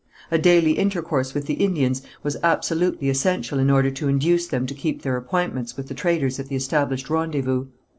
A daily intercourse with the Indians was absolutely essential in order to induce them to keep their appointments with the traders at the established rendezvous.